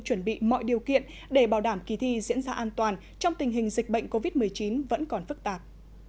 chuẩn bị mọi điều kiện để bảo đảm kỳ thi diễn ra an toàn trong tình hình dịch bệnh covid một mươi chín vẫn còn phức tạp